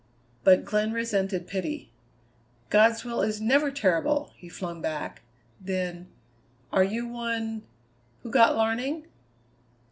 But Glenn resented pity. "God's will is never terrible!" he flung back. Then: "Are you one who got larning?"